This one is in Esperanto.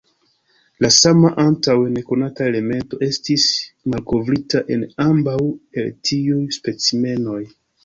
La sama antaŭe nekonata elemento estis malkovrita en ambaŭ el tiuj specimenoj.